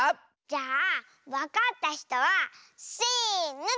じゃあわかったひとはせのでいおう。